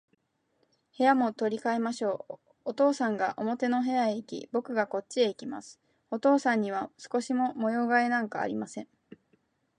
部屋も取り変えましょう。お父さんが表の部屋へいき、ぼくがこっちへきます。お父さんには少しも模様変えなんかありません。